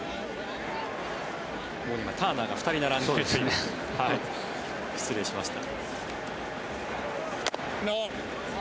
今、ターナーが２人並んでいるという失礼しました。